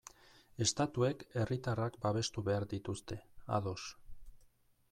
Estatuek herritarrak babestu behar dituzte, ados.